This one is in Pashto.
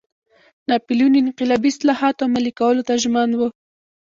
ناپلیون انقلابي اصلاحاتو عملي کولو ته ژمن و.